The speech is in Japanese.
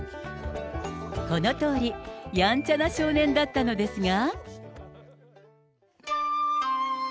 このとおり、やんちゃな少年だったのですが。